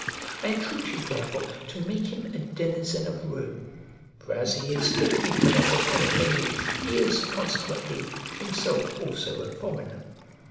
I entreat you therefore to make him a denizen of Rome; for as he is the freedman of a foreign lady, he is, consequently, himself also a foreigner.